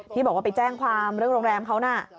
ที่บอกว่าไปแจ้งความเรื่องโรงแรมเขาน่ะ